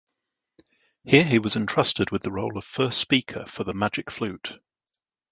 Here he was entrusted with the role of First Speaker for "The Magic Flute".